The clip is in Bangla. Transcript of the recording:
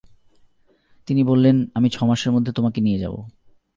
তিনি বললেন, আমি ছমাসের মধ্যে তোমাকে নিয়ে যাব।